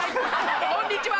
こんにちは。